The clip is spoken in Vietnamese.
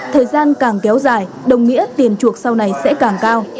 thời gian càng kéo dài đồng nghĩa tiền chuộc sau này sẽ càng cao